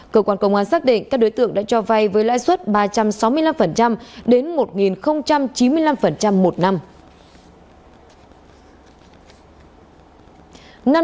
cơ quan công an xác định các đối tượng đã cho vay với lãi suất ba trăm sáu mươi năm đến một chín mươi năm một năm